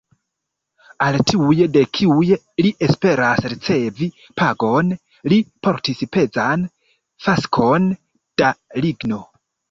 Al tiuj, de kiuj li esperas ricevi pagon, li portis pezan faskon da ligno.